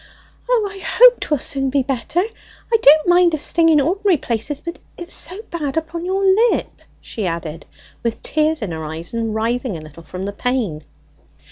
"O, I hope 'twill soon be better! I don't mind a sting in ordinary places, but it is so bad upon your lip," she added with tears in her eyes, and writhing a little from the pain.